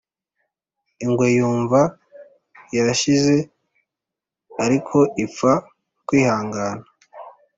ingwe yumva irashize, ariko ipfa kwihangana.